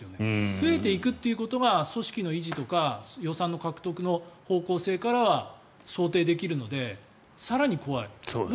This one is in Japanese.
増えていくっていうことが組織の維持とか予算の獲得の方向性からは想定できるので、更に怖い。